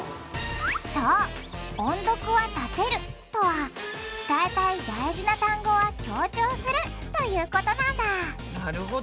そう「音読はたてる」とは伝えたい大事な単語は強調するということなんだなるほど！